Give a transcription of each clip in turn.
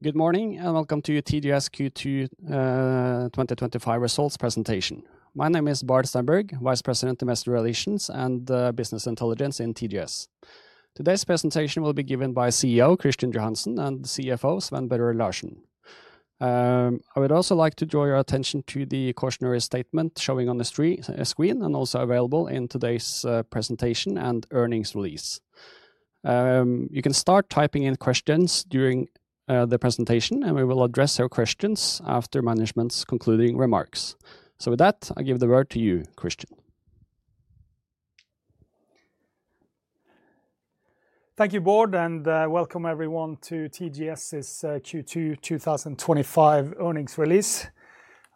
Good morning and welcome to your TGS Q2 2025 results presentation. My name is Bård Stenberg, Vice President of Investor Relations and Business Intelligence in TGS. Today's presentation will be given by CEO Kristian Johansen and CFO Sven Børre Larsen. I would also like to draw your attention to the cautionary statement showing on the screen and also available in today's presentation and earnings release. You can start typing in questions during the presentation, and we will address your questions after management's concluding remarks. With that, I give the word to you, Kristian. Thank you, Bård, and welcome everyone to TGS's Q2 2025 earnings release.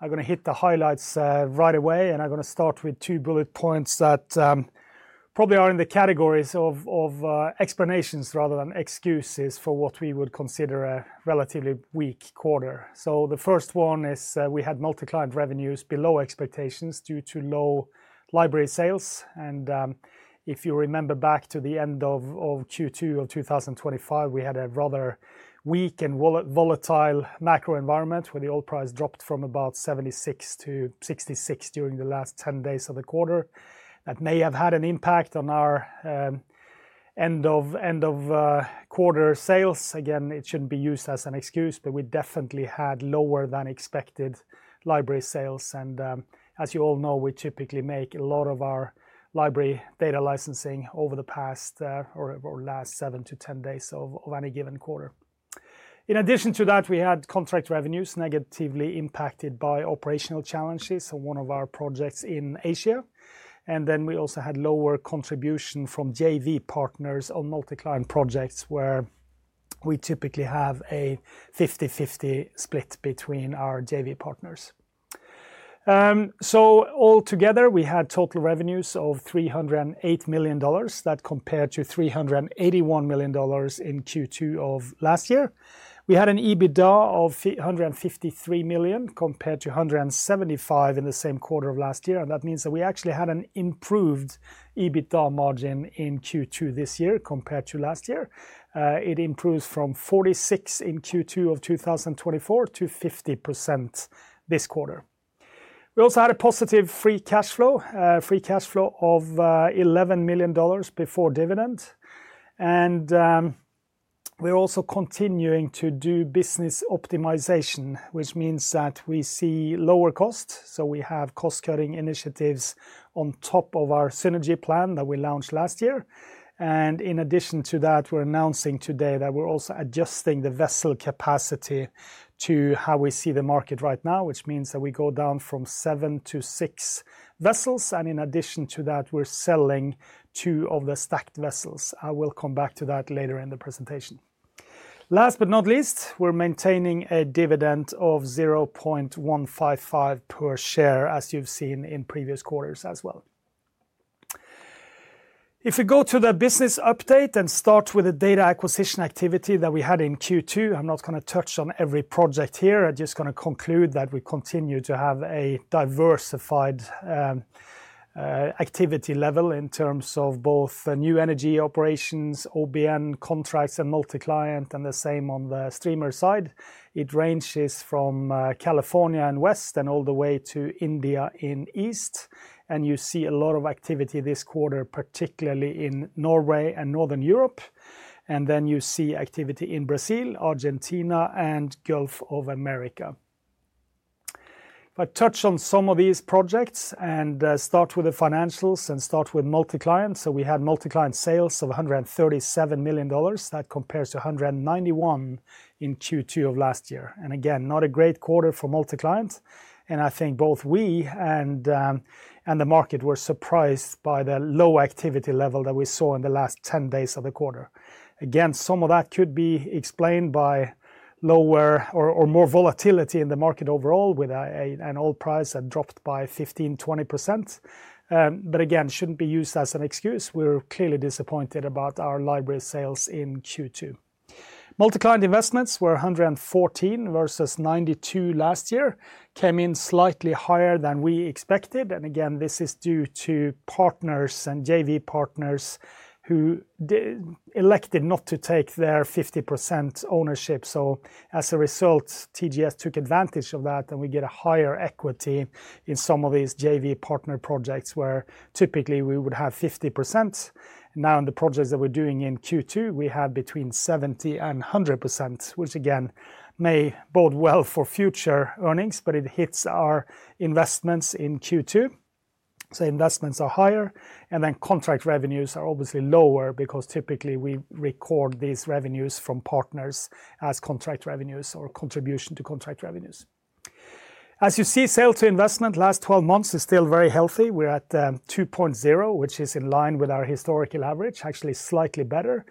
I'm going to hit the highlights right away, and I'm going to start with two bullet points that probably are in the categories of explanations rather than excuses for what we would consider a relatively weak quarter. The first one is we had multi-client revenues below expectations due to low library sales. If you remember back to the end of Q2 of 2025, we had a rather weak and volatile macro environment where the oil price dropped from about $76-$66 during the last 10 days of the quarter. That may have had an impact on our end-of-quarter sales. It shouldn't be used as an excuse, but we definitely had lower than expected library sales. As you all know, we typically make a lot of our library data licensing over the last 7-10 days of any given quarter. In addition to that, we had contract revenues negatively impacted by operational challenges on one of our projects in Asia. We also had lower contribution from JV partners on multi-client projects where we typically hve a 50/50 split between our JV partners. Altogether, we had total revenues of $308 million that compared to $381 million in Q2 of last year. We had an EBITDA of $153 million compared to $175 million in the same quarter of last year. That means that we actually had an improved EBITDA margin in Q2 this year compared to last year. It improved from 46% in Q2 of 2024 to 50% this quarter. We also had a positive free cash flow, free cash flow of $11 million before dividend. We're also continuing to do business optimization, which means that we see lower costs. We have cost-cutting initiatives on top of our synergy plan that we launched last year. In addition to that, we're announcing today that we're also adjusting the vessel capacity to how we see the market right now, which means that we go down from seven to six vessels. In addition to that, we're selling two of the stacked vessels. I will come back to that later in the presentation. Last but not least, we're maintaining a dividend of $0.155 per share, as you've seen in previous quarters as well. If we go to the business update and start with the data acquisition activity that we had in Q2, I'm not going to touch on every project here. I'm just going to conclude that we continue to have a diversified activity level in terms of both new energy operations, OBN contracts, and multi-client, and the same on the streamer side. It ranges from California and West and all the way to India in East. You see a lot of activity this quarter, particularly in Norway and Northern Europe. You see activity in Brazil, Argentina, and the Gulf of Mexico. If I touch on some of these projects and start with the financials and start with multi-client. We had multi-client sales of $137 million. That compares to $191 million in Q2 of last year. Again, not a great quarter for multi-client. I think both we and the market were surprised by the low activity level that we saw in the last 10 days of the quarter. Some of that could be explained by lower or more volatility in the market overall with an oil price that dropped by 15%-20%. It shouldn't be used as an excuse. We're clearly disappointed about our library sales in Q2. Multi-client investments were $114 million versus $92 million last year, came in slightly higher than we expected. This is due to partners and JV partners who elected not to take their 50% ownership. As a result, TGS took advantage of that and we get a higher equity in some of these JV partner projects where typically we would have 50%. Now in the projects that we're doing in Q2, we have between 70% and 100%, which may bode well for future earnings, but it hits our investments in Q2. Investments are higher and then contract revenues are obviously lower because typically we record these revenues from partners as contract revenues or contribution to contract revenues. As you see, sales to investment last 12 months is still very healthy. We're at 2.0, which is in line with our historical average, actually slightly better.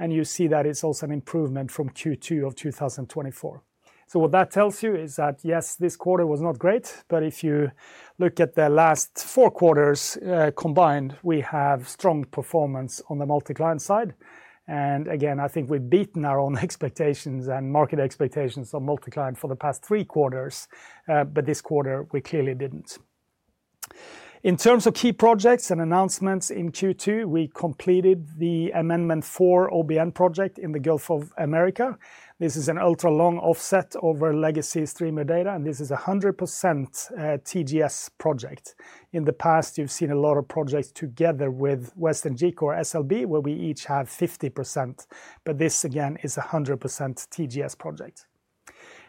You see that it's also an improvement from Q2 of 2024. What that tells you is that yes, this quarter was not great, but if you look at the last four quarters combined, we have strong performance on the multi-client side. I think we've beaten our own expectations and market expectations on multi-client for the past three quarters, but this quarter we clearly didn't. In terms of key projects and announcements in Q2, we completed the Amendment 4 OBN project in the Gulf of Mexico. This is an ultra-long offset over legacy streamer data, and this is a 100% TGS project. In the past, you've seen a lot of projects together with Western G Corp SLB, where we each have 50%, but this again is a 100% TGS project.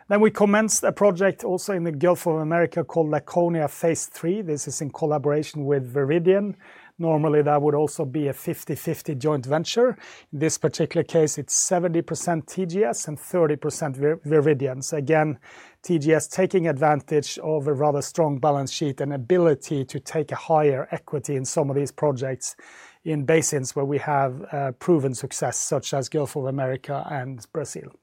We commenced a project also in the Gulf of Mexico called Laconia phase II. This is in collaboration with Viridian. Normally, that would also be a 50/50 joint venture. In this particular case, it's 70% TGS and 30% Viridian. TGS is taking advantage of a rather strong balance sheet and ability to take a higher equity in some of these projects in basins where we have proven success, such as the Gulf of Mexico and Brazil.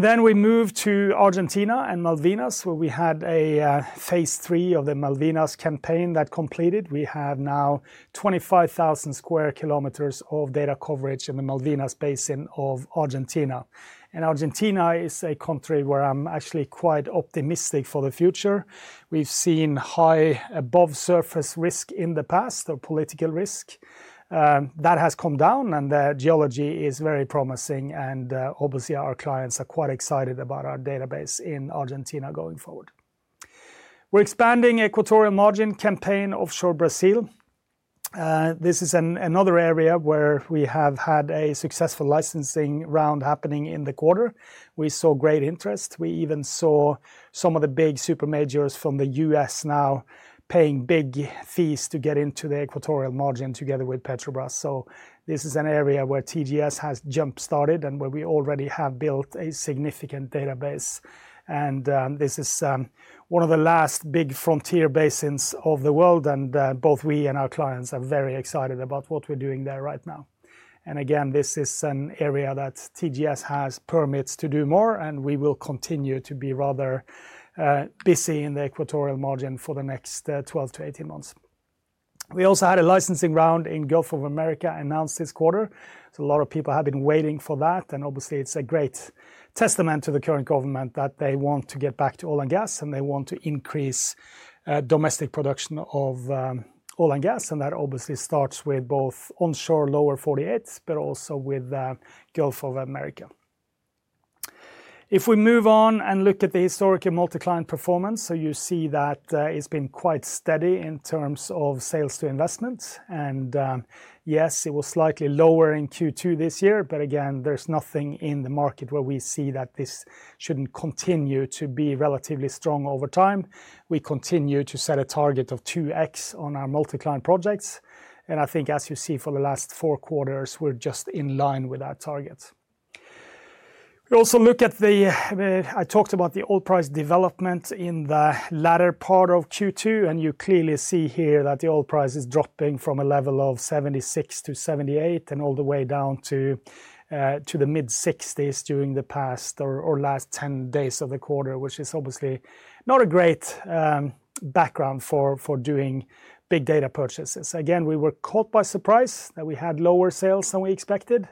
We moved to Argentina and the Malvinas Basin, where we had a Phase III of the Malvinas campaign that completed. We now have 25,000 sq km of data coverage in the Malvinas Basin of Argentina. Argentina is a country where I'm actually quite optimistic for the future. We've seen high above surface risk in the past or political risk. That has come down and the geology is very promising. Our clients are quite excited about our database in Argentina going forward. We're expanding the Equatorial Margin campaign offshore Brazil. This is another area where we have had a successful licensing round happening in the quarter. We saw great interest. We even saw some of the big super majors from the U.S. now paying big fees to get into the Equatorial Margin together with Petrobras. This is an area where TGS has jump-started and where we already have built a significant database. This is one of the last big frontier basins of the world. Both we and our clients are very excited about what we're doing there right now. This is an area that TGS has permits to do more. We will continue to be rather busy in the Equatorial Margin for the next 12-18 months. We also had a licensing round in the Gulf of Mexico announced this quarter. A lot of people have been waiting for that. It's a great testament to the current government that they want to get back to oil and gas and they want to increase domestic production of oil and gas. That obviously starts with both onshore lower 48s, but also with the Gulf of Mexico. If we move on and look at the historical multi-client performance, you see that it's been quite steady in terms of sales to investments. It was slightly lower in Q2 this year, but there's nothing in the market where we see that this shouldn't continue to be relatively strong over time. We continue to set a target of 2x on our multi-client projects. I think, as you see, for the last four quarters, we're just in line with that target. We also look at the, I talked about the oil price development in the latter part of Q2. You clearly see here that the oil price is dropping from a level of $76-$78 and all the way down to the mid-$60s during the past or last 10 days of the quarter, which is obviously not a great background for doing big data purchases. Again, we were caught by surprise that we had lower sales than we expected.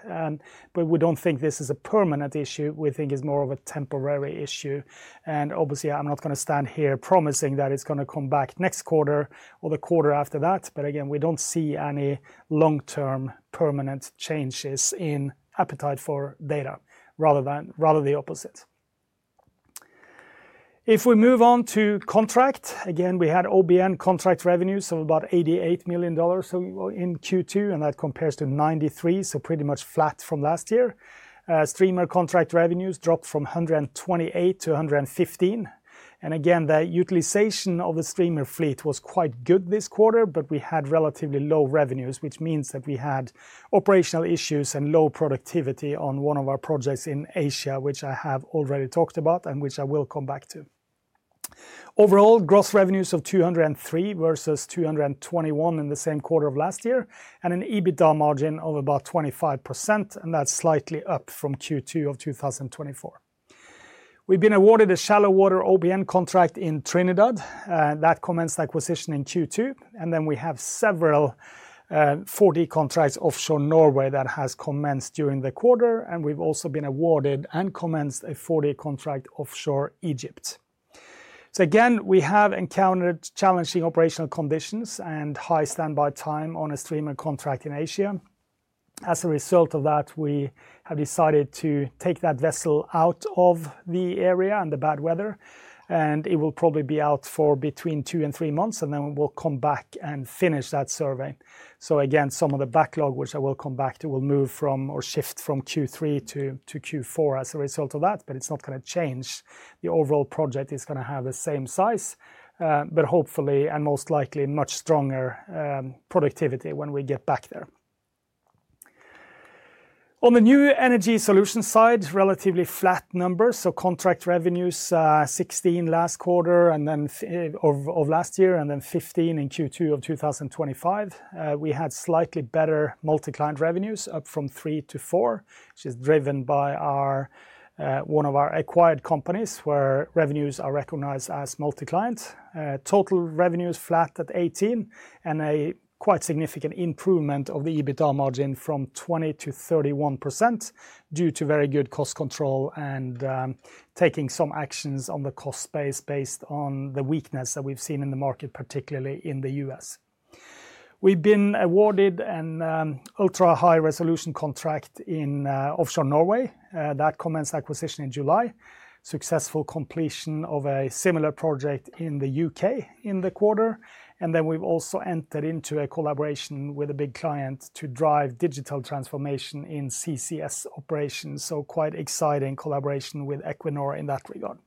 We don't think this is a permanent issue. We think it's more of a temporary issue. Obviously, I'm not going to stand here promising that it's going to come back next quarter or the quarter after that. We don't see any long-term permanent changes in appetite for data, rather than the opposite. If we move on to contract, we had OBN contract revenues of about $88 million in Q2. That compares to $93 million, so pretty much flat from last year. Streamer contract revenues dropped from $128 million-$115 million. The utilization of the streamer fleet was quite good this quarter, but we had relatively low revenues, which means that we had operational issues and low productivity on one of our projects in Asia, which I have already talked about and which I will come back to. Overall, gross revenues of $203 million versus $221 million in the same quarter of last year, and an EBITDA margin of about 25%. That's slightly up from Q2 of 2024. We've been awarded a shallow water OBN contract in Trinidad. That commenced acquisition in Q2. We have several 4D contracts offshore Norway that have commenced during the quarter. We've also been awarded and commenced a 4D contract offshore Egypt. We have encountered challenging operational conditions and high standby time on a streamer contract in Asia. As a result of that, we have decided to take that vessel out of the area and the bad weather. It will probably be out for between two and three months. We'll come back and finish that survey. Some of the backlog, which I will come back to, will move from or shift from Q3-Q4 as a result of that. It's not going to change. The overall project is going to have the same size, but hopefully, and most likely, much stronger productivity when we get back there. On the new energy solution side, relatively flat numbers. Contract revenues were 16 last quarter and then of last year and then 15 in Q2 of 2025. We had slightly better multi-client revenues, up from 3-4, which is driven by one of our acquired companies where revenues are recognized as multi-client. Total revenues were flat at 18 and a quite significant improvement of the EBITDA margin from 20%-31% due to very good cost control and taking some actions on the cost base based on the weakness that we've seen in the market, particularly in the U.S. We have been awarded an ultra-high resolution contract in offshore Norway that commenced acquisition in July. There was successful completion of a similar project in the U.K. in the quarter. We have also entered into a collaboration with a big client to drive digital transformation in CCS operations, a quite exciting collaboration with Equinor in that regard.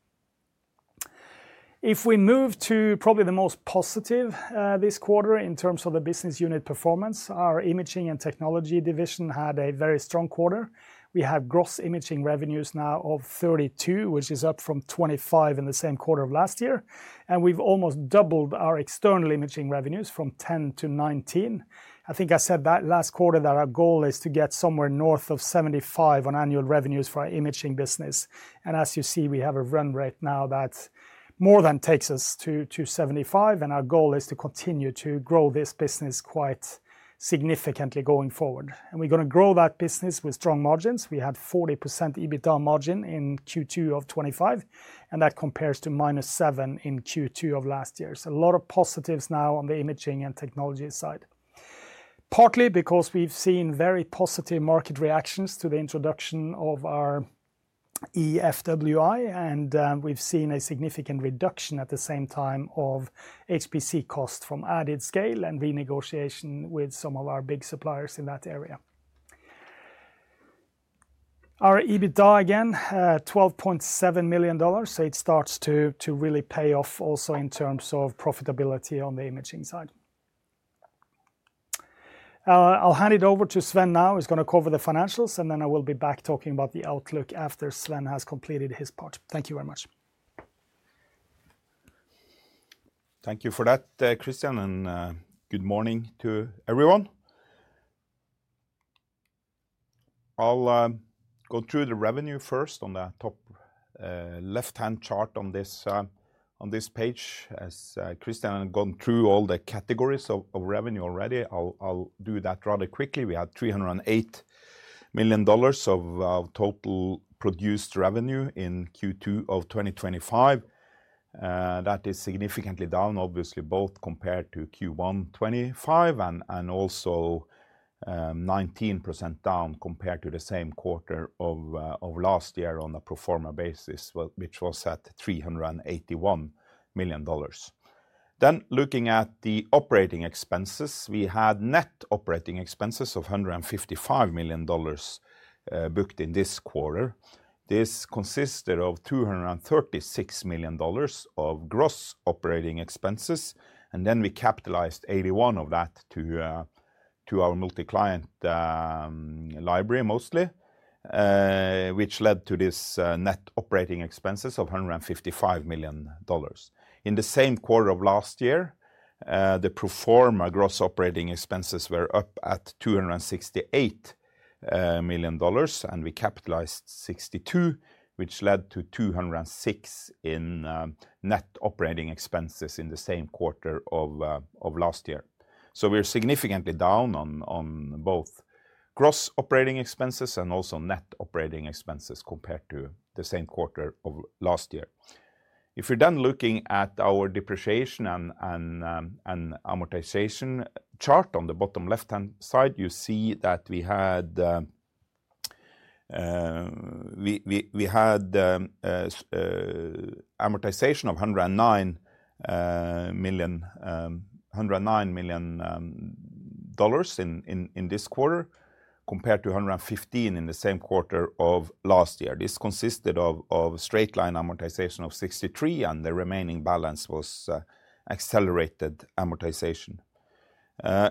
If we move to probably the most positive this quarter in terms of the business unit performance, our imaging and technology division had a very strong quarter. We have gross imaging revenues now of 32, which is up from 25 in the same quarter of last year. We have almost doubled our external imaging revenues from 10-19. I think I said last quarter that our goal is to get somewhere north of 75 on annual revenues for our imaging business, and as you see, we have a run rate now that more than takes us to 75. Our goal is to continue to grow this business quite significantly going forward, and we are going to grow that business with strong margins. We had 40% EBITDA margin in Q2 of 2025, and that compares to -7% in Q2 of last year. There are a lot of positives now on the imaging and technology side, partly because we've seen very positive market reactions to the introduction of our EFWI. We have seen a significant reduction at the same time of HPC costs from added scale and renegotiation with some of our big suppliers in that area. Our EBITDA again, $12.7 million, so it starts to really pay off also in terms of profitability on the imaging side. I'll hand it over to Sven now. He's going to cover the financials, and then I will be back talking about the outlook after Sven has completed his part. Thank you very much. Thank you for that, Kristian. Good morning to everyone. I'll go through the revenue first on the top left-hand chart on this page. As Kristian has gone through all the categories of revenue already, I'll do that rather quickly. We had $308 million of total produced revenue in Q2 of 2025. That is significantly down, obviously, both compared to Q1 2025 and also 19% down compared to the same quarter of last year on a pro forma basis, which was at $381 million. Looking at the operating expenses, we had net operating expenses of $155 million booked in this quarter. This consisted of $236 million of gross operating expenses. We capitalized $81 million of that to our multi-client library mostly, which led to these net operating expenses of $155 million. In the same quarter of last year, the pro forma gross operating expenses were up at $268 million. We capitalized $62 million, which led to $206 million in net operating expenses in the same quarter of last year. We are significantly down on both gross operating expenses and also net operating expenses compared to the same quarter of last year. If you're then looking at our depreciation and amortization chart on the bottom left-hand side, you see that we had amortization of $109 million in this quarter compared to $115 million in the same quarter of last year. This consisted of straight-line amortization of $63 million, and the remaining balance was accelerated amortization.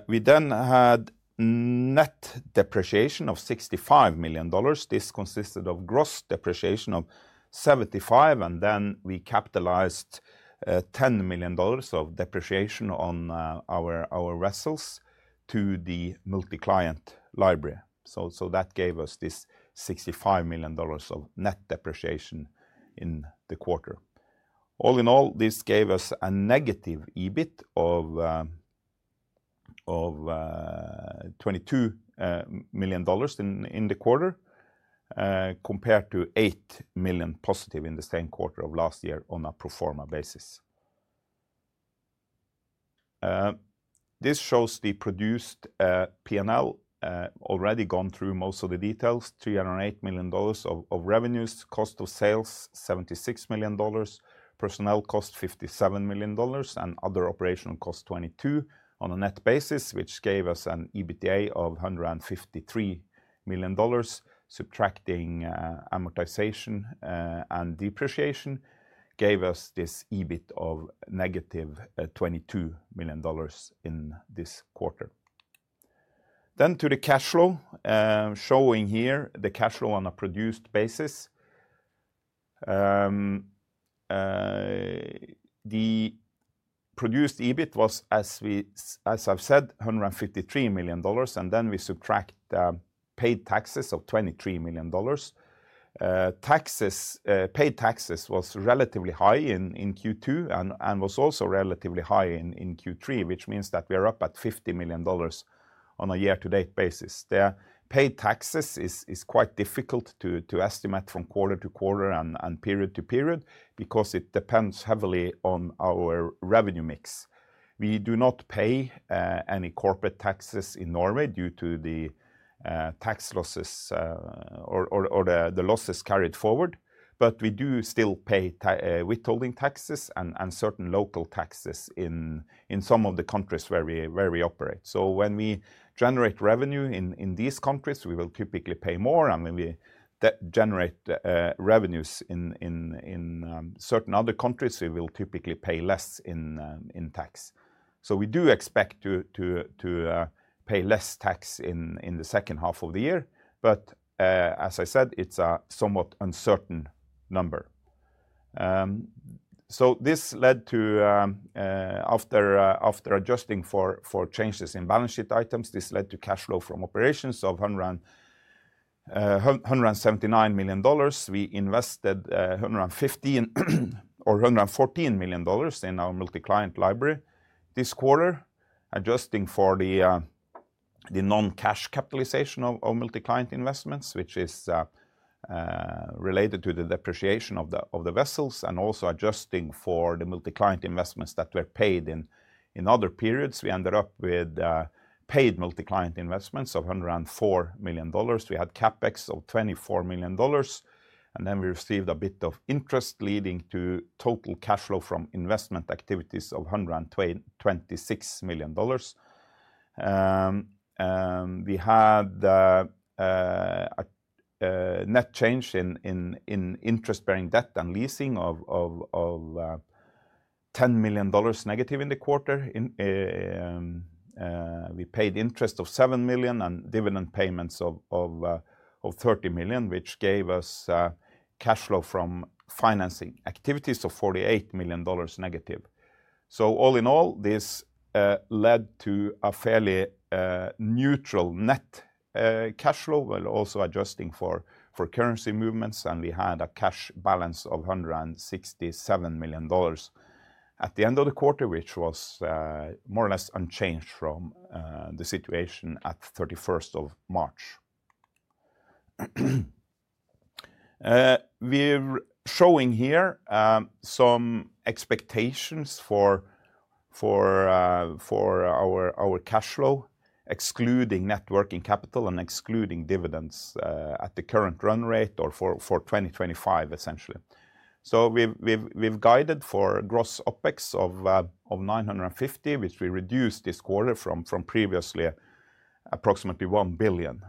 We then had net depreciation of $65 million. This consisted of gross depreciation of $75 million. We capitalized $10 million of depreciation on our vessels to the multi-client library. That gave us this $65 million of net depreciation in the quarter. All in all, this gave us a negative EBIT of $22 million in the quarter compared to $8 million positive in the same quarter of last year on a pro forma basis. This shows the produced P&L already gone through most of the details. $308 million of revenues, cost of sales $76 million, personnel cost $57 million, and other operational costs $22 million on a net basis, which gave us an EBITDA of $153 million. Subtracting amortization and depreciation gave us this EBIT of -$22 million in this quarter. To the cash flow, showing here the cash flow on a produced basis. The produced EBITDA was, as I've said, $153 million. We subtract the paid taxes of $23 million. Paid taxes was relatively high in Q2 and was also relatively high in Q3, which means that we are up at $50 million on a year-to-date basis. The paid taxes is quite difficult to estimate from quarter-to-quarter and period-to-period because it depends heavily on our revenue mix. We do not pay any corporate taxes in Norway due to the tax losses or the losses carried forward. We do still pay withholding taxes and certain local taxes in some of the countries where we operate. When we generate revenue in these countries, we will typically pay more. When we generate revenues in certain other countries, we will typically pay less in tax. We do expect to pay less tax in the second half of the year. As I said, it's a somewhat uncertain number. This led to, after adjusting for changes in balance sheet items, cash flow from operations of $179 million. We invested $115 million or $114 million in our multi-client library this quarter, adjusting for the non-cash capitalization of multi-client investments, which is related to the depreciation of the vessels and also adjusting for the multi-client investments that were paid in other periods. We ended up with paid multi-client investments of $104 million. We had capex of $24 million. We received a bit of interest leading to total cash flow from investment activities of $126 million. We had a net change in interest-bearing debt and leasing of $10 million negative in the quarter. We paid interest of $7 million and dividend payments of $30 million, which gave us cash flow from financing activities of $48 million negative. All in all, this led to a fairly neutral net cash flow, while also adjusting for currency movements. We had a cash balance of $167 million at the end of the quarter, which was more or less unchanged from the situation at 31st of March. We're showing here some expectations for our cash flow, excluding networking capital and excluding dividends at the current run rate or for 2025, essentially. We've guided for gross opex of $950 million, which we reduced this quarter from previously approximately $1 billion.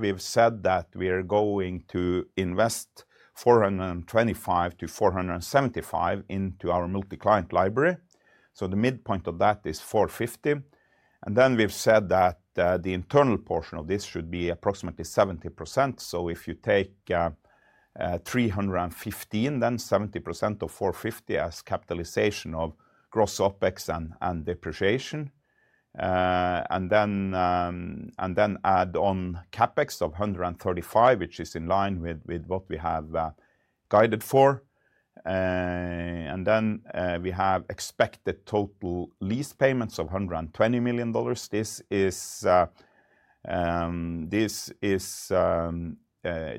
We've said that we are going to invest $425 million-$475 million into our multi-client library. The midpoint of that is $450 million. We've said that the internal portion of this should be approximately 70%. If you take $315 million, then 70% of $450 million as capitalization of gross opex and depreciation. Add on capex of $135 million, which is in line with what we have guided for. We have expected total lease payments of $120 million.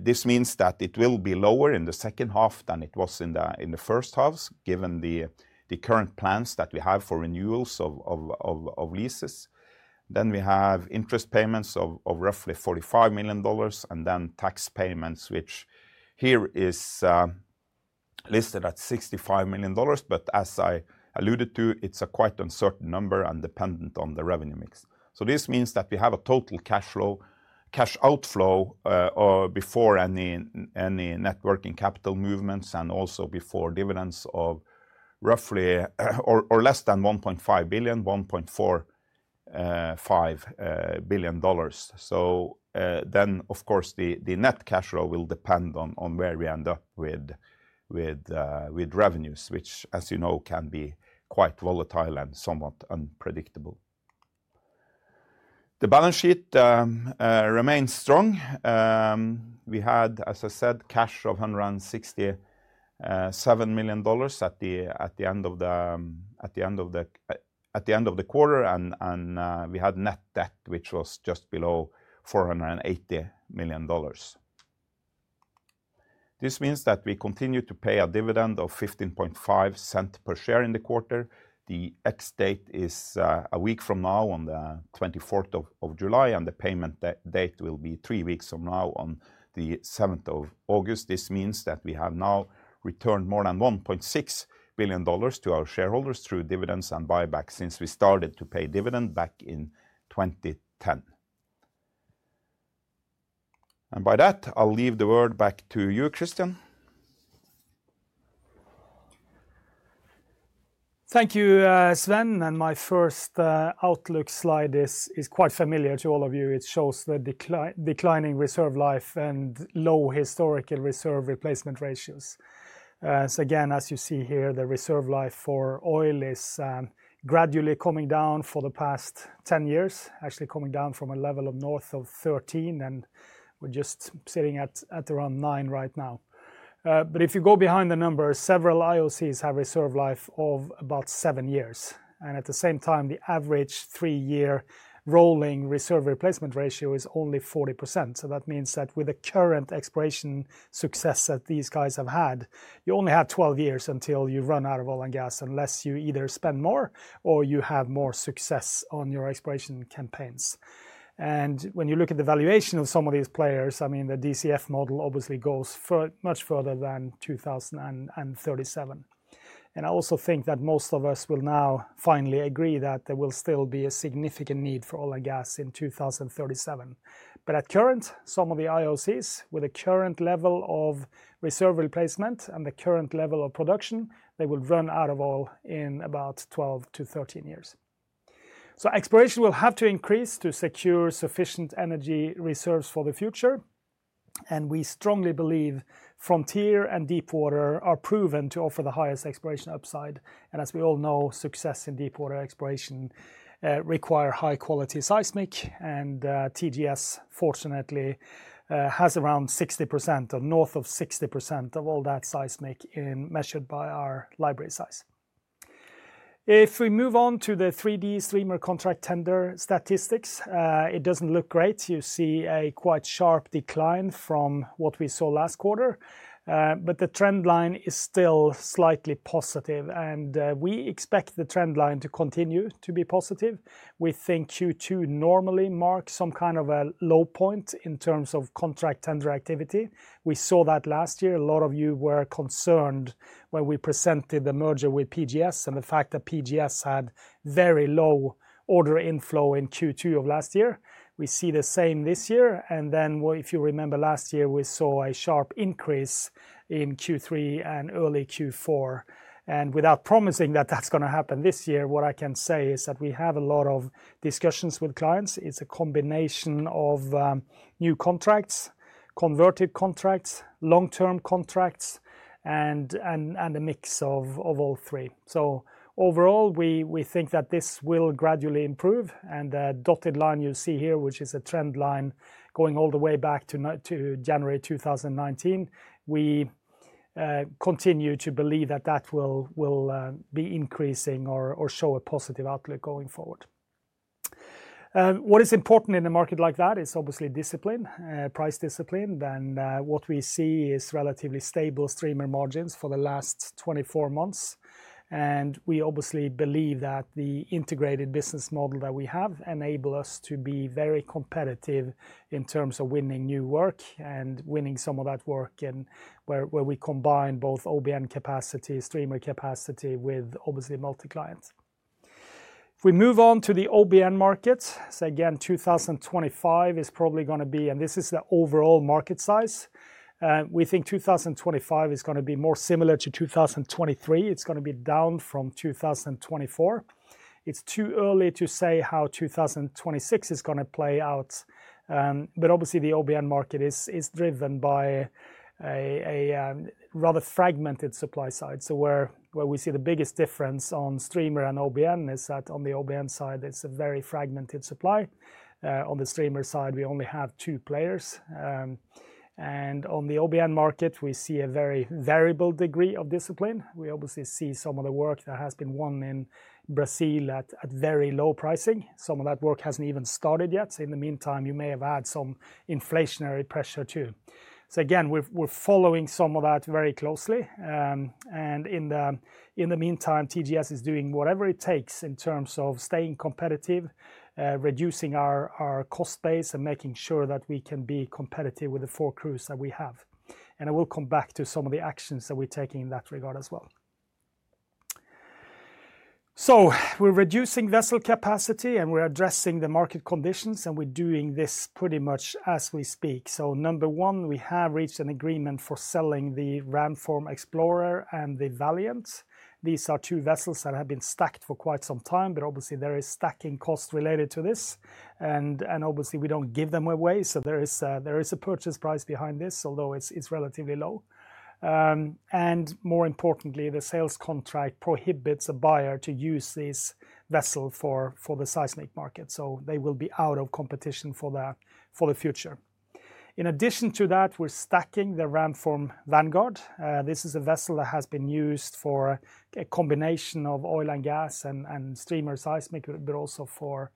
This means that it will be lower in the second half than it was in the first half, given the current plans that we have for renewals of leases. We have interest payments of roughly $45 million, and tax payments, which here is listed at $65 million. As I alluded to, it's a quite uncertain number and dependent on the revenue mix. This means that we have a total cash outflow, before any net working capital movements and also before dividends, of roughly or less than $1.5 billion, $1.45 billion. Of course, the net cash flow will depend on where we end up with revenues, which, as you know, can be quite volatile and somewhat unpredictable. The balance sheet remains strong. We had, as I said, cash of $167 million at the end of the quarter, and we had net debt, which was just below $480 million. This means that we continue to pay a dividend of $0.155 per share in the quarter. The ex-date is a week from now on the 24th of July, and the payment date will be three weeks from now on the 7th of August. This means that we have now returned more than $1.6 billion to our shareholders through dividends and buybacks since we started to pay dividend back in 2010. By that, I'll leave the word back to you, Kristian. Thank you, Sven. My first outlook slide is quite familiar to all of you. It shows the declining reserve life and low historical reserve replacement ratios. As you see here, the reserve life for oil is gradually coming down for the past 10 years, actually coming down from a level of north of 13. We're just sitting at around nine right now. If you go behind the numbers, several IOCs have reserve life of about 7 years. At the same time, the average three-year rolling reserve replacement ratio is only 40%. That means that with the current exploration success that these guys have had, you only have 12 years until you run out of oil and gas unless you either spend more or you have more success on your exploration campaigns. When you look at the valuation of some of these players, the DCF model obviously goes much further than 2037. I also think that most of us will now finally agree that there will still be a significant need for oil and gas in 2037. At current, some of the IOCs with a current level of reserve replacement and the current level of production will run out of oil in about 12-13 years. Exploration will have to increase to secure sufficient energy reserves for the future. We strongly believe frontier and deepwater are proven to offer the highest exploration upside. As we all know, success in deepwater exploration requires high-quality seismic. TGS, fortunately, has around 60% or north of 60% of all that seismic measured by our library size. If we move on to the 3D streamer contract tender statistics, it doesn't look great. You see a quite sharp decline from what we saw last quarter. The trend line is still slightly positive. We expect the trend line to continue to be positive. We think Q2 normally marks some kind of a low point in terms of contract tender activity. We saw that last year. A lot of you were concerned when we presented the merger with PGS and the fact that PGS had very low order inflow in Q2 of last year. We see the same this year. If you remember last year, we saw a sharp increase in Q3 and early Q4. Without promising that that's going to happen this year, what I can say is that we have a lot of discussions with clients. It's a combination of new contracts, converted contracts, long-term contracts, and a mix of all three. Overall, we think that this will gradually improve. The dotted line you see here, which is a trend line going all the way back to January 2019, we continue to believe that that will be increasing or show a positive outlook going forward. What is important in a market like that is obviously discipline, price discipline. What we see is relatively stable streamer margins for the last 24 months. We obviously believe that the integrated business model that we have enables us to be very competitive in terms of winning new work and winning some of that work where we combine both OBN capacity, streamer capacity with obviously multi-client. If we move on to the OBN markets, again, 2025 is probably going to be, and this is the overall market size, we think 2025 is going to be more similar to 2023. It's going to be down from 2024. It's too early to say how 2026 is going to play out. Obviously, the OBN market is driven by a rather fragmented supply side. Where we see the biggest difference on streamer and OBN is that on the OBN side, it's a very fragmented supply. On the streamer side, we only have two players. On the OBN market, we see a very variable degree of discipline. We obviously see some of the work that has been won in Brazil at very low pricing. Some of that work hasn't even started yet. In the meantime, you may have had some inflationary pressure too. We are following some of that very closely. In the meantime, TGS is doing whatever it takes in terms of staying competitive, reducing our cost base, and making sure that we can be competitive with the four crews that we have. I will come back to some of the actions that we're taking in that regard as well. We are reducing vessel capacity and we're addressing the market conditions and we're doing this pretty much as we speak. Number one, we have reached an agreement for selling the RAMFORM Explorer and the RAMFORM Valiant. These are two vessels that have been stacked for quite some time, but obviously, there is stacking cost related to this. We don't give them away, so there is a purchase price behind this, although it's relatively low. More importantly, the sales contract prohibits a buyer to use this vessel for the seismic market. They will be out of competition for the future. In addition to that, we're stacking the RAMFORM Vanguard. This is a vessel that has been used for a combination of oil and gas and streamer seismic, but also for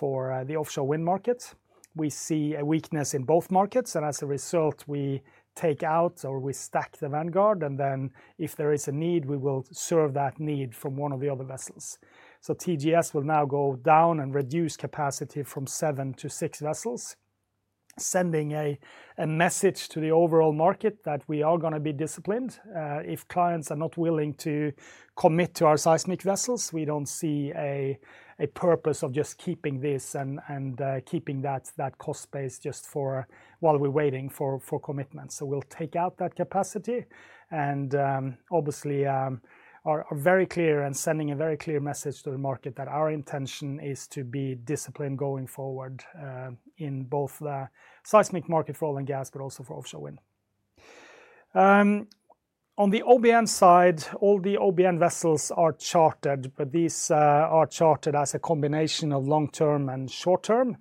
the offshore wind market. We see a weakness in both markets. As a result, we take out or we stack the RAMFORM Vanguard. If there is a need, we will serve that need from one of the other vessels. TGS will now go down and reduce capacity from seven to six vessels, sending a message to the overall market that we are going to be disciplined. If clients are not willing to commit to our seismic vessels, we don't see a purpose of just keeping this and keeping that cost base while we're waiting for commitment. We will take out that capacity and are very clear and sending a very clear message to the market that our intention is to be disciplined going forward in both the seismic market for oil and gas, but also for offshore wind. On the OBN side, all the OBN vessels are chartered, but these are chartered as a combination of long-term and short-term.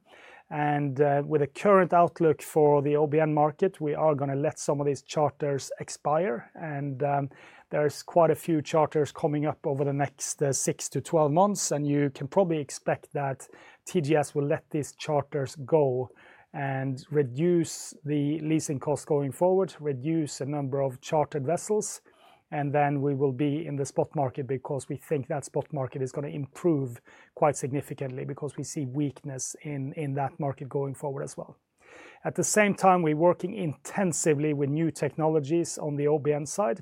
With the current outlook for the OBN market, we are going to let some of these charters expire. There are quite a few charters coming up over the next 6-12 months. You can probably expect that TGS will let these charters go and reduce the leasing costs going forward, reduce the number of chartered vessels. We will be in the spot market because we think that spot market is going to improve quite significantly because we see weakness in that market going forward as well. At the same time, we're working intensively with new technologies on the OBN side.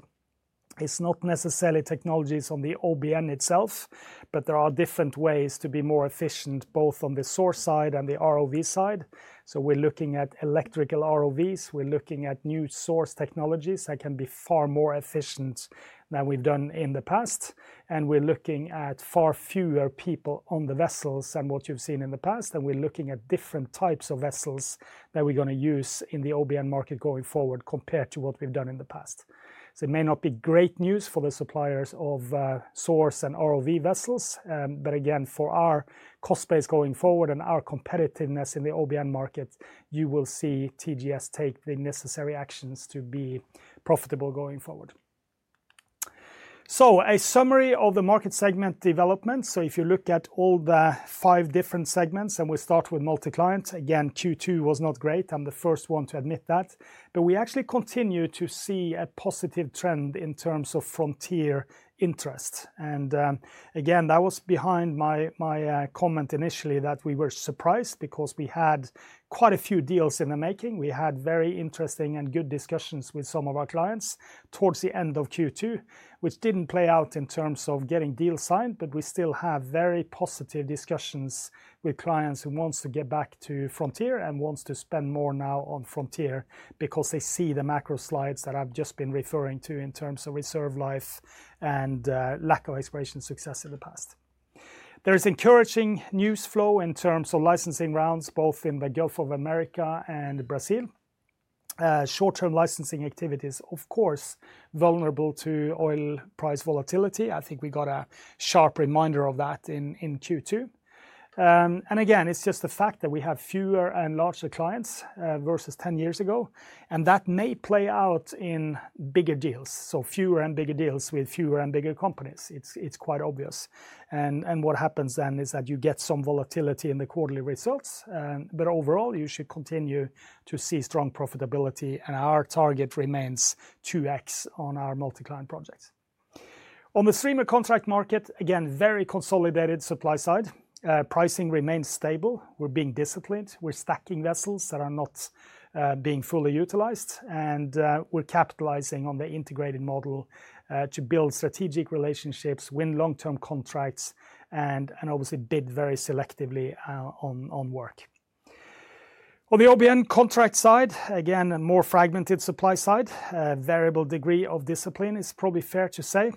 It's not necessarily technologies on the OBN itself, but there are different ways to be more efficient both on the source side and the ROV side. We're looking at electrical ROVs. We're looking at new source technologies that can be far more efficient than we've done in the past. We're looking at far fewer people on the vessels than what you've seen in the past. We're looking at different types of vessels that we're going to use in the OBN market going forward compared to what we've done in the past. It may not be great news for the suppliers of source and ROV vessels. Again, for our cost base going forward and our competitiveness in the OBN market, you will see TGS take the necessary actions to be profitable going forward. A summary of the market segment development: if you look at all the five different segments, and we start with multi-client, again, Q2 was not great. I'm the first one to admit that. We actually continue to see a positive trend in terms of frontier interest. That was behind my comment initially that we were surprised because we had quite a few deals in the making. We had very interesting and good discussions with some of our clients towards the end of Q2, which did not play out in terms of getting deals signed. We still have very positive discussions with clients who want to get back to frontier and want to spend more now on frontier because they see the macro slides that I have just been referring to in terms of reserve life and lack of aspiration success in the past. There is encouraging news flow in terms of licensing rounds both in the Gulf of Mexico and Brazil. Short-term licensing activity is, of course, vulnerable to oil price volatility. I think we got a sharp reminder of that in Q2. It is just the fact that we have fewer and larger clients versus 10 years ago. That may play out in bigger deals. Fewer and bigger deals with fewer and bigger companies. It is quite obvious. What happens then is that you get some volatility in the quarterly results. Overall, you should continue to see strong profitability. Our target remains 2x on our multi-client projects. On the streamer contract market, again, very consolidated supply side. Pricing remains stable. We are being disciplined. We are stacking vessels that are not being fully utilized. We are capitalizing on the integrated model to build strategic relationships, win long-term contracts, and obviously bid very selectively on work. On the OBN contract side, again, a more fragmented supply side, a variable degree of discipline is probably fair to say.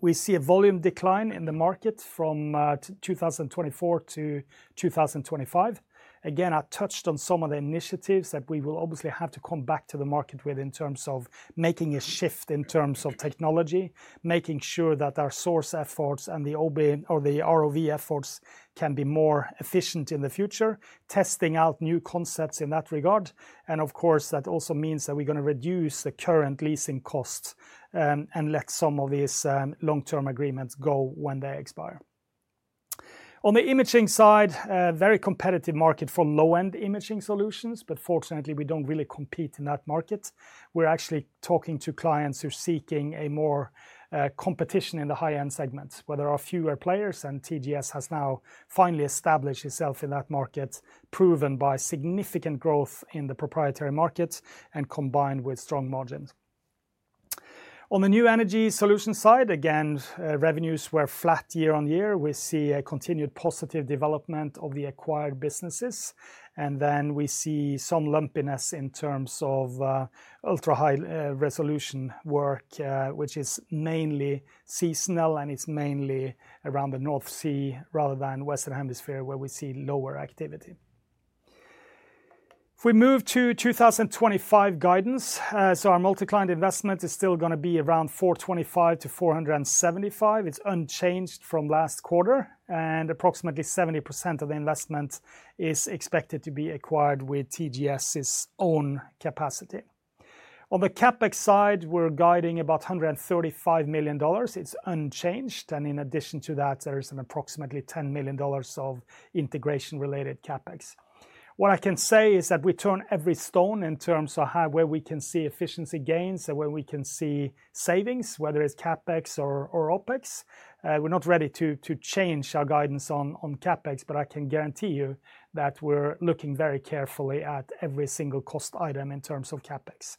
We see a volume decline in the market from 2024 to 2025. I touched on some of the initiatives that we will obviously have to come back to the market with in terms of making a shift in terms of technology, making sure that our source efforts and the ROV efforts can be more efficient in the future, testing out new concepts in that regard. That also means that we are going to reduce the current leasing costs and let some of these long-term agreements go when they expire. On the imaging side, a very competitive market for low-end imaging solutions, but fortunately, we do not really compete in that market. We are actually talking to clients who are seeking more competition in the high-end segment where there are fewer players. TGS has now finally established itself in that market, proven by significant growth in the proprietary market and combined with strong margins. On the new energy solution side, again, revenues were flat year-on-year. We see a continued positive development of the acquired businesses. We see some lumpiness in terms of ultra-high resolution work, which is mainly seasonal. It's mainly around the North Sea rather than Western Hemisphere where we see lower activity. If we move to 2025 guidance, our multi-client investment is still going to be around $425 million-$475 million. It's unchanged from last quarter. Approximately 70% of the investment is expected to be acquired with TGS's own capacity. On the CapEx side, we're guiding about $135 million. It's unchanged. In addition to that, there is approximately $10 million of integration-related CapEx. What I can say is that we turn every stone in terms of where we can see efficiency gains and where we can see savings, whether it's CapEx or OpEx. We're not ready to change our guidance on CapEx, but I can guarantee you that we're looking very carefully at every single cost item in terms of CapEx.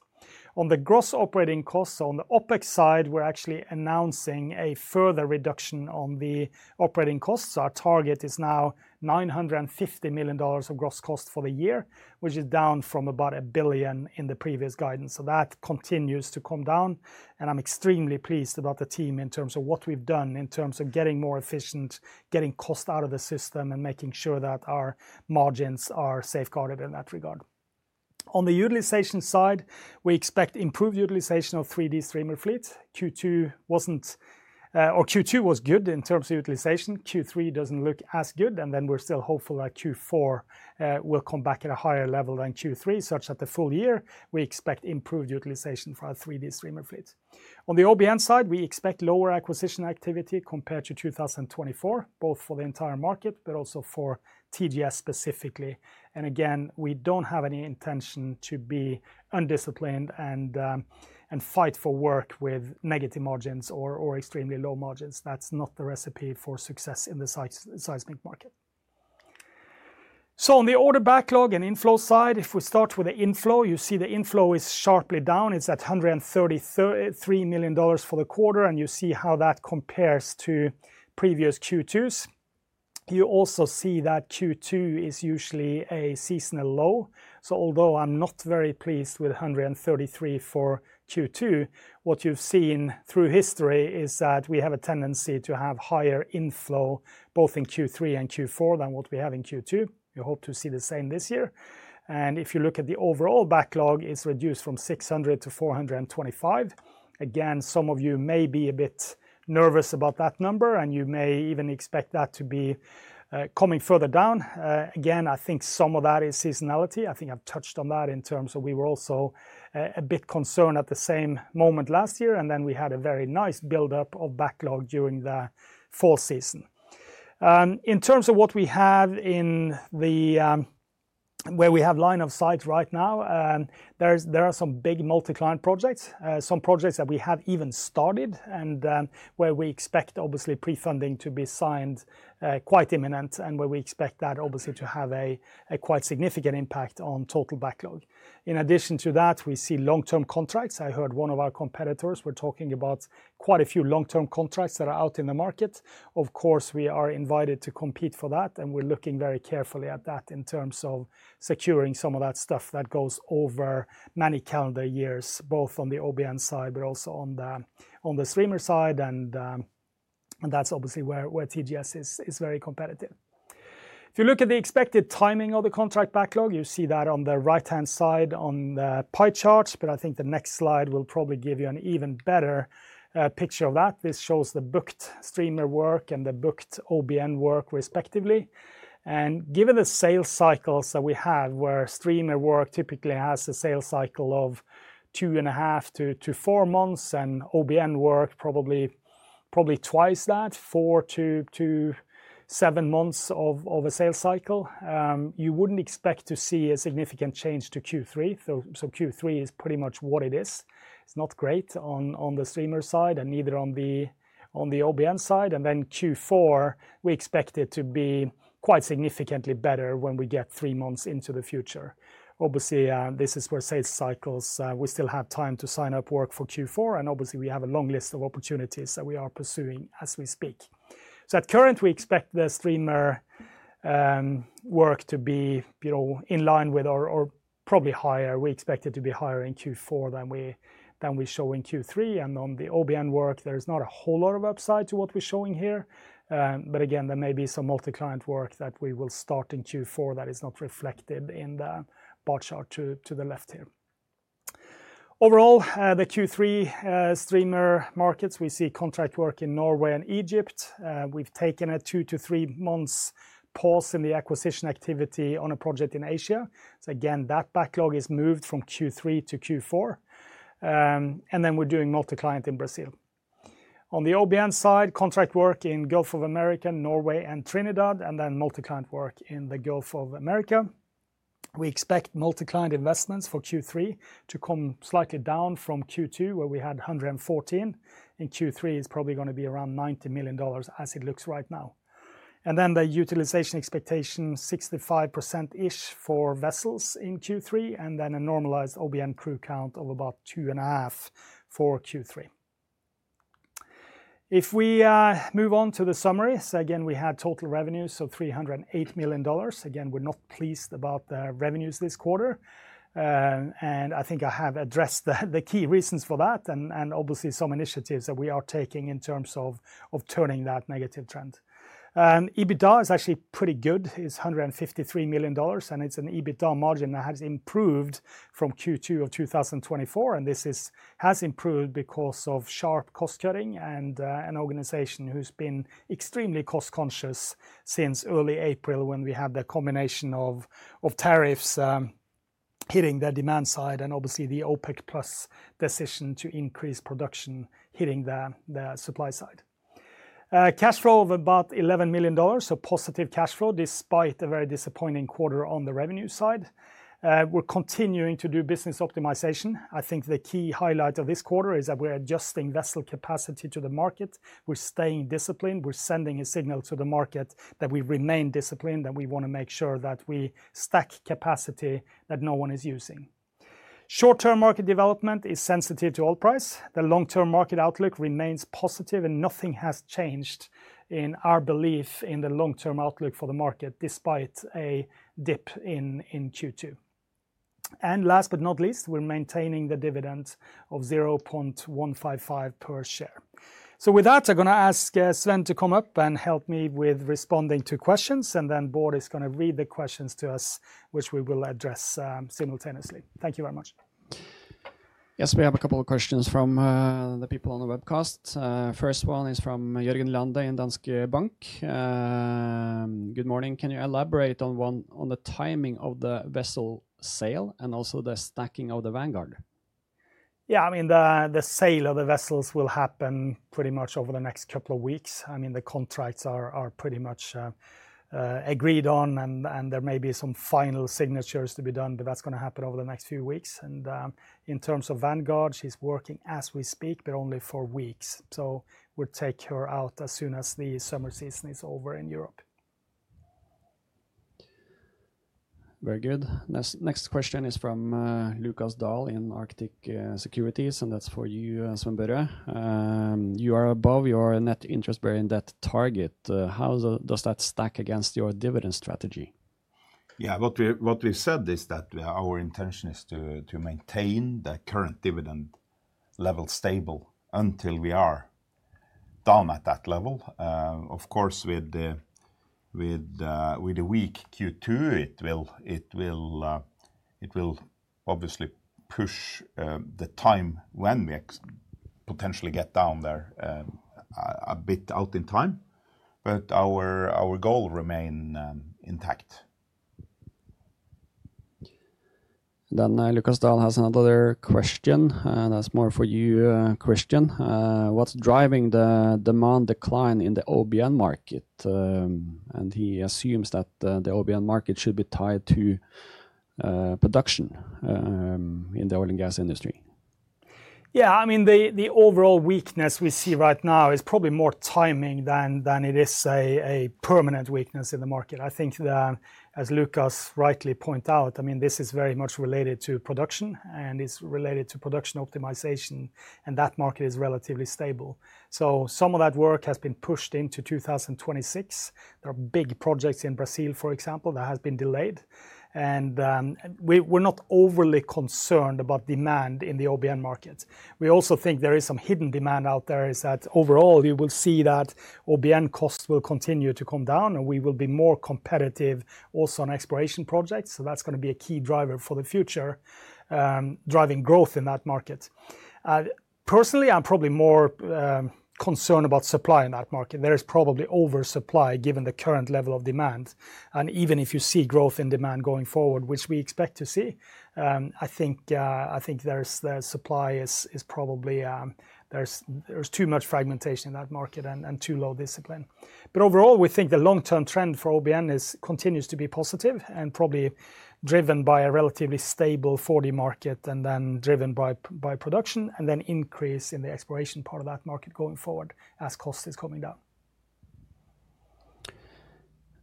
On the gross operating costs, on the OpEx side, we're actually announcing a further reduction on the operating costs. Our target is now $950 million of gross costs for the year, which is down from about $1 billion in the previous guidance. That continues to come down. I'm extremely pleased about the team in terms of what we've done in terms of getting more efficient, getting costs out of the system, and making sure that our margins are safeguarded in that regard. On the utilization side, we expect improved utilization of 3D streamer fleet. Q2 was good in terms of utilization. Q3 doesn't look as good. We're still hopeful that Q4 will come back at a higher level than Q3, such that the full year we expect improved utilization for our 3D streamer fleet. On the OBN side, we expect lower acquisition activity compared to 2024, both for the entire market, but also for TGS specifically. We don't have any intention to be undisciplined and fight for work with negative margins or extremely low margins. That's not the recipe for success in the seismic market. On the order backlog and inflow side, if we start with the inflow, you see the inflow is sharply down. It's at $133 million for the quarter. You see how that compares to previous Q2s. You also see that Q2 is usually a seasonal low. Although I'm not very pleased with $133 for Q2, what you've seen through history is that we have a tendency to have higher inflow both in Q3 and Q4 than what we have in Q2. We hope to see the same this year. If you look at the overall backlog, it's reduced from $600-$425. Some of you may be a bit nervous about that number. You may even expect that to be coming further down. I think some of that is seasonality. I think I've touched on that in terms of we were also a bit concerned at the same moment last year. We had a very nice buildup of backlog during the fall season. In terms of what we have and where we have line of sight right now, there are some big multi-client projects, some projects that we have even started and where we expect obviously pre-funding to be signed quite imminent and where we expect that obviously to have a quite significant impact on total backlog. In addition to that, we see long-term contracts. I heard one of our competitors was talking about quite a few long-term contracts that are out in the market. Of course, we are invited to compete for that. We're looking very carefully at that in terms of securing some of that stuff that goes over many calendar years, both on the OBN side, but also on the streamer side. That's obviously where TGS is very competitive. If you look at the expected timing of the contract backlog, you see that on the right-hand side on the pie charts. I think the next slide will probably give you an even better picture of that. This shows the booked streamer work and the booked OBN work respectively. Given the sales cycles that we have, where streamer work typically has a sales cycle of 2.5-4 months and OBN work probably twice that, four to seven months of a sales cycle, you wouldn't expect to see a significant change to Q3. Q3 is pretty much what it is. It's not great on the streamer side and neither on the OBN side. Q4, we expect it to be quite significantly better when we get three months into the future. Obviously, this is where sales cycles, we still have time to sign up work for Q4. We have a long list of opportunities that we are pursuing as we speak. At current, we expect the streamer work to be in line with or probably higher. We expect it to be higher in Q4 than we show in Q3. On the OBN work, there is not a whole lot of upside to what we're showing here. There may be some multi-client work that we will start in Q4 that is not reflected in the bar chart to the left here. Overall, the Q3 streamer markets, we see contract work in Norway and Egypt. We've taken a two to three month pause in the acquisition activity on a project in Asia. That backlog is moved from Q3-Q4. We're doing multi-client in Brazil. On the OBN side, contract work in Gulf of Mexico, Norway, and Trinidad, and then multi-client work in the Gulf of Mexico. We expect multi-client investments for Q3 to come slightly down from Q2, where we had $114 million. In Q3, it's probably going to be around $90 million as it looks right now. The utilization expectation is 65% for vessels in Q3, and then a normalized OBN crew count of about 2.5 for Q3. If we move on to the summary, we had total revenues of $308 million. We're not pleased about the revenues this quarter. I think I have addressed the key reasons for that and obviously some initiatives that we are taking in terms of turning that negative trend. EBITDA is actually pretty good. It's $153 million. It's an EBITDA margin that has improved from Q2 of 2024. This has improved because of sharp cost cutting and an organization who's been extremely cost-conscious since early April when we had the combination of tariffs hitting the demand side and the OPEC Plus decision to increase production hitting the supply side. Cash flow of about $11 million, so positive cash flow despite a very disappointing quarter on the revenue side. We're continuing to do business optimization. The key highlight of this quarter is that we're adjusting vessel capacity to the market. We're staying disciplined. We're sending a signal to the market that we remain disciplined, that we want to make sure that we stack capacity that no one is using. Short-term market development is sensitive to oil price. The long-term market outlook remains positive, and nothing has changed in our belief in the long-term outlook for the market despite a dip in Q2. Last but not least, we're maintaining the dividend of $0.155 per share. With that, I'm going to ask Sven to come up and help me with responding to questions. Bård is going to read the questions to us, which we will address simultaneously. Thank you very much. Yes, we have a couple of questions from the people on the webcast. First one is from Jørgen Lande in Danske Bank. Good morning. Can you elaborate on the timing of the vessel sale and also the stacking of the Vanguard? Yeah, I mean, the sale of the vessels will happen pretty much over the next couple of weeks. The contracts are pretty much agreed on, and there may be some final signatures to be done, but that's going to happen over the next few weeks. In terms of Vanguard, she's working as we speak, but only for weeks. We'll take her out as soon as the summer season is over in Europe. Very good. Next question is from Lukas Dahl in Arctic Securities, and that's for you from Børre. You are above your net interest-bearing debt target. How does that stack against your dividend strategy? Yeah, what we said is that our intention is to maintain the current dividend level stable until we are down at that level. Of course, with a weak Q2, it will obviously push the time when we potentially get down there a bit out in time. Our goal remains intact. Lukas Dahl has another question. That's more for you, Kristian. What's driving the demand decline in the OBN market? He assumes that the OBN market should be tied to production in the oil and gas industry. Yeah, I mean, the overall weakness we see right now is probably more timing than it is a permanent weakness in the market. I think that, as Lukas rightly pointed out, this is very much related to production and is related to production optimization. That market is relatively stable. Some of that work has been pushed into 2026. There are big projects in Brazil, for example, that have been delayed. We're not overly concerned about demand in the OBN market. We also think there is some hidden demand out there. Overall, we will see that OBN costs will continue to come down, and we will be more competitive also on exploration projects. That's going to be a key driver for the future, driving growth in that market. Personally, I'm probably more concerned about supply in that market. There is probably oversupply given the current level of demand. Even if you see growth in demand going forward, which we expect to see, I think the supply is probably there's too much fragmentation in that market and too low discipline. Overall, we think the long-term trend for OBN continues to be positive and probably driven by a relatively stable 4D market and then driven by production and then increase in the exploration part of that market going forward as cost is coming down.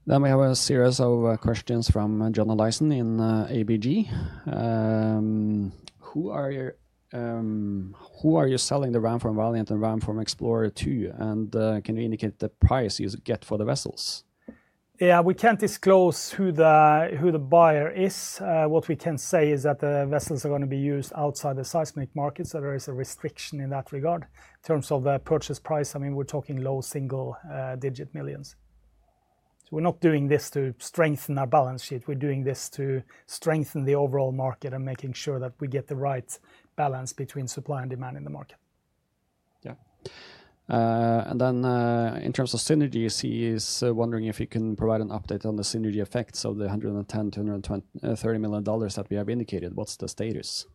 We have a series of questions from John Olaisen in ABG Sundal Collier. Who are you selling the RAMFORM Valiant and RAMFORM Explorer to? Can you indicate the price you get for the vessels? Yeah, we can't disclose who the buyer is. What we can say is that the vessels are going to be used outside the seismic market. There is a restriction in that regard. In terms of the purchase price, we're talking low single-digit millions. We're not doing this to strengthen our balance sheet. We're doing this to strengthen the overall market and making sure that we get the right balance between supply and demand in the market. In terms of synergy, CE is wondering if you can provide an update on the synergy effects of the $110 million-$130 million that we have indicated. What's the status?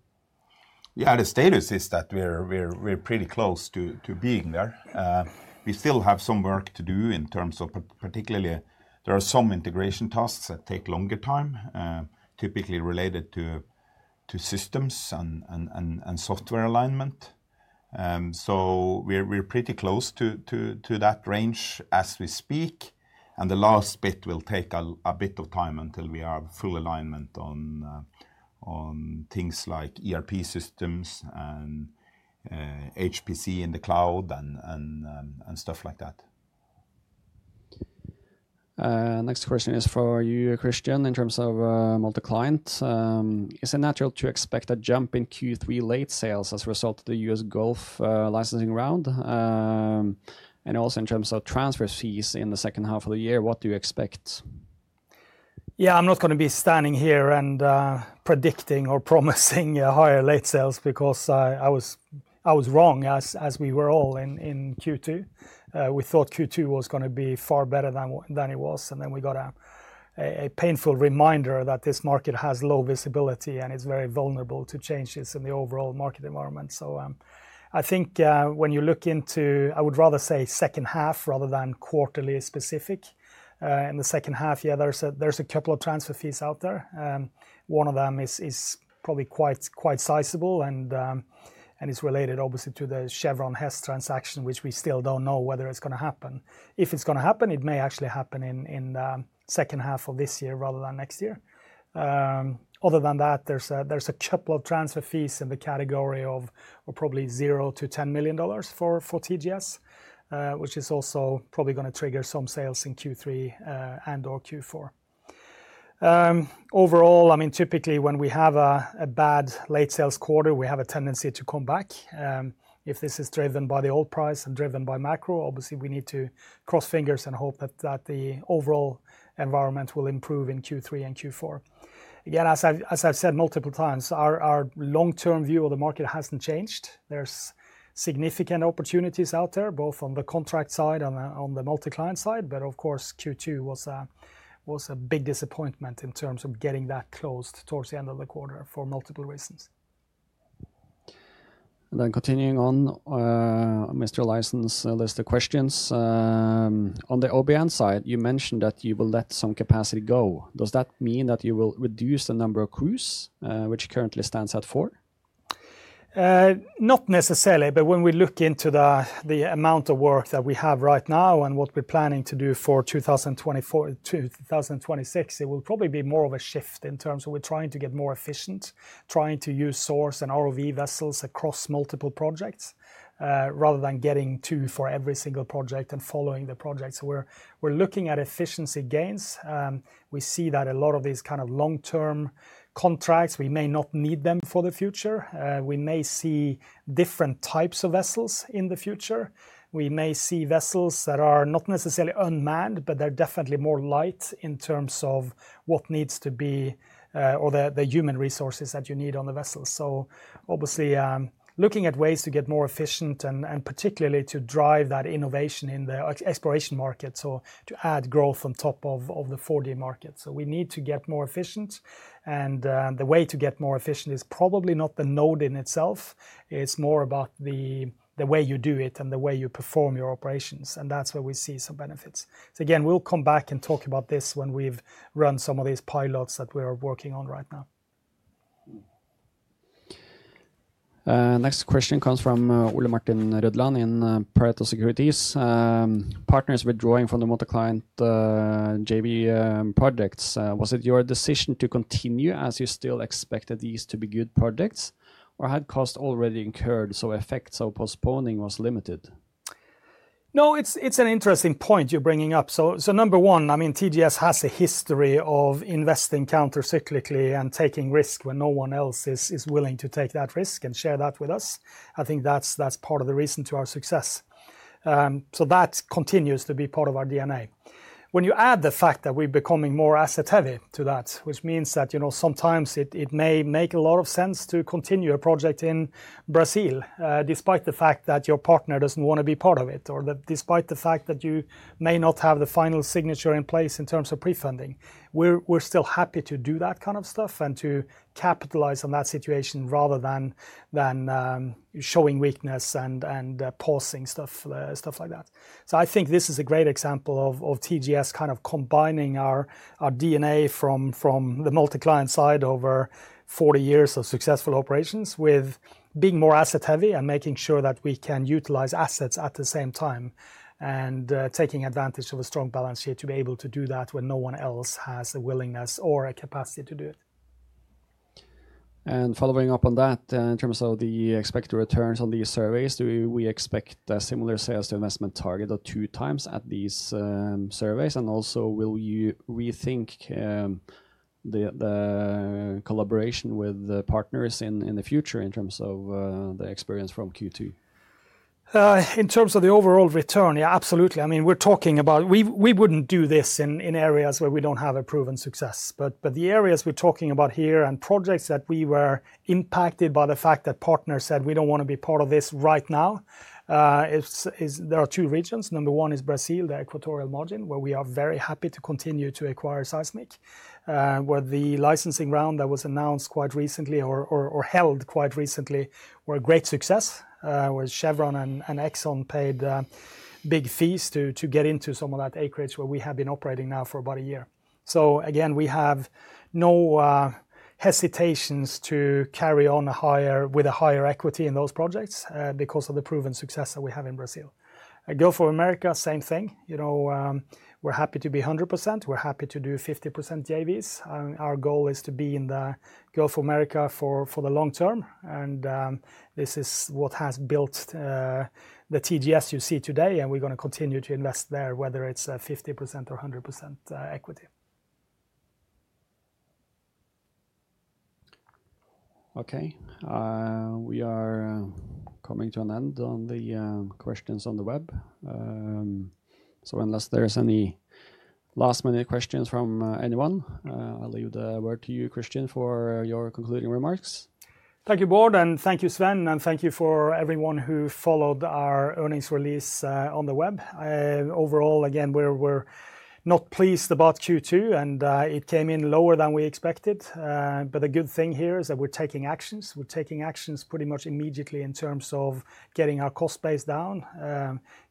Yeah, the status is that we're pretty close to being there. We still have some work to do in terms of particularly, there are some integration tasks that take longer time, typically related to systems and software alignment. We're pretty close to that range as we speak. The last bit will take a bit of time until we have full alignment on things like ERP systems and HPC in the cloud and stuff like that. Next question is for you, Kristian. In terms of multi-client, is it natural to expect a jump in Q3 late sales as a result of the U.S. Gulf licensing round? Also, in terms of transfer fees in the second half of the year, what do you expect? Yeah, I'm not going to be standing here and predicting or promising higher late sales because I was wrong as we were all in Q2. We thought Q2 was going to be far better than it was, and then we got a painful reminder that this market has low visibility and it's very vulnerable to changes in the overall market environment. I think when you look into, I would rather say second half rather than quarterly specific. In the second half, yeah, there's a couple of transfer fees out there. One of them is probably quite sizable and is related obviously to the Chevron Hess transaction, which we still don't know whether it's going to happen. If it's going to happen, it may actually happen in the second half of this year rather than next year. Other than that, there's a couple of transfer fees in the category of probably $0-$10 million for TGS, which is also probably going to trigger some sales in Q3 and/or Q4. Overall, I mean, typically when we have a bad late sales quarter, we have a tendency to come back. If this is driven by the oil price and driven by macro, obviously we need to cross fingers and hope that the overall environment will improve in Q3 and Q4. Again, as I've said multiple times, our long-term view of the market hasn't changed. There's significant opportunities out there, both on the contract side and on the multi-client side. Q2 was a big disappointment in terms of getting that closed towards the end of the quarter for multiple reasons. Continuing on, Mr. Olaisen's list of questions. On the OBN side, you mentioned that you will let some capacity go. Does that mean that you will reduce the number of crews, which currently stands at four? Not necessarily, but when we look into the amount of work that we have right now and what we're planning to do for 2024, 2026, it will probably be more of a shift in terms of we're trying to get more efficient, trying to use source and ROV vessels across multiple projects rather than getting two for every single project and following the project. We are looking at efficiency gains. We see that a lot of these kind of long-term contracts, we may not need them for the future. We may see different types of vessels in the future. We may see vessels that are not necessarily unmanned, but they're definitely more light in terms of what needs to be or the human resources that you need on the vessel. Obviously, looking at ways to get more efficient and particularly to drive that innovation in the exploration market, to add growth on top of the 4D market. We need to get more efficient. The way to get more efficient is probably not the node in itself. It's more about the way you do it and the way you perform your operations. That's where we see some benefits. We will come back and talk about this when we've run some of these pilots that we're working on right now. Next question comes from Ole Martin Rødland in Pareto Securities. Partners withdrawing from the multi-client JV projects. Was it your decision to continue as you still expected these to be good projects, or had costs already incurred, so effects of postponing was limited? No, it's an interesting point you're bringing up. Number one, TGS has a history of investing countercyclically and taking risk when no one else is willing to take that risk and share that with us. I think that's part of the reason to our success. That continues to be part of our DNA. When you add the fact that we're becoming more asset heavy to that, which means that sometimes it may make a lot of sense to continue a project in Brazil despite the fact that your partner doesn't want to be part of it or despite the fact that you may not have the final signature in place in terms of pre-funding, we're still happy to do that kind of stuff and to capitalize on that situation rather than showing weakness and pausing stuff like that. I think this is a great example of TGS kind of combining our DNA from the multi-client side over 40 years of successful operations with being more asset heavy and making sure that we can utilize assets at the same time and taking advantage of a strong balance sheet to be able to do that when no one else has a willingness or a capacity to do it. Following up on that, in terms of the expected returns on these surveys, do we expect a similar sales investment target of 2x at these surveys? Also, will you rethink the collaboration with partners in the future in terms of the experience from Q2? In terms of the overall return, yeah, absolutely. I mean, we're talking about we wouldn't do this in areas where we don't have a proven success. The areas we're talking about here and projects that we were impacted by the fact that partners said we don't want to be part of this right now, there are two regions. Number one is Brazil’s Equatorial Margin, where we are very happy to continue to acquire seismic. The licensing round that was announced quite recently or held quite recently was a great success, where Chevron and Exxon paid big fees to get into some of that acreage where we have been operating now for about a year. We have no hesitations to carry on with a higher equity in those projects because of the proven success that we have in Brazil. Gulf of Mexico, same thing. We're happy to be 100%. We're happy to do 50% JVs. Our goal is to be in the Gulf of Mexico for the long term. This is what has built the TGS you see today. We're going to continue to invest there, whether it's 50% or 100% equity. OK. We are coming to an end on the questions on the web. Unless there are any last-minute questions from anyone, I'll leave the word to you, Kristian, for your concluding remarks. Thank you, Bård, and thank you, Sven, and thank you for everyone who followed our earnings release on the web. Overall, again, we're not pleased about Q2. It came in lower than we expected. The good thing here is that we're taking actions. We're taking actions pretty much immediately in terms of getting our cost base down,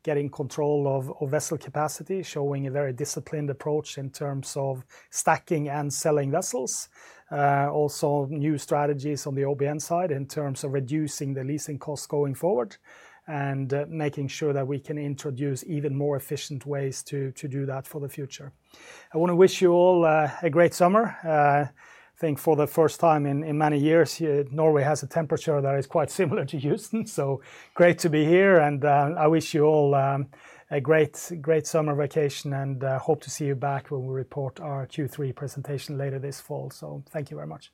getting control of vessel capacity, showing a very disciplined approach in terms of stacking and selling vessels, also new strategies on the OBN side in terms of reducing the leasing costs going forward and making sure that we can introduce even more efficient ways to do that for the future. I want to wish you all a great summer. I think for the first time in many years, Norway has a temperature that is quite similar to Houston. It's great to be here. I wish you all a great summer vacation. I hope to see you back when we report our Q3 presentation later this fall. Thank you very much.